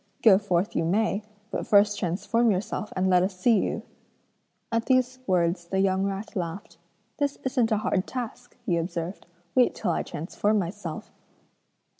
Go forth you may, but first transform yourself and let us see you.' At these words the young rat laughed. 'This isn't a hard task!' he observed, 'wait till I transform myself.'